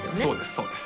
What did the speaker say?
そうです